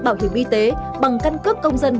bảo hiểm y tế bằng căn cước công dân